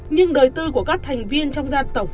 nhưng đời tư của các thành viên trong gia tộc